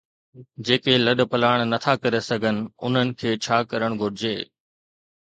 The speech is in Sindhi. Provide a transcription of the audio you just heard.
جيڪي لڏپلاڻ نٿا ڪري سگهن، انهن کي ڇا ڪرڻ گهرجي؟